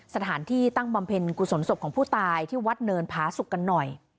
สถานที่ตั้งบำเพ็ญกุศลศพของผู้ตายที่วัดเนินผาสุกกันหน่อย